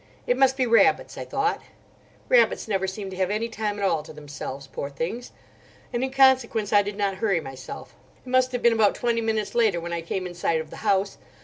It must be rabbits, I thought. Rabbits never seem to have any time at all to themselves, poor things. And in consequence I did not hurry myself. It must have been about twenty minutes later when I came in sight of the house.